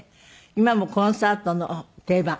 今もコンサートの定番？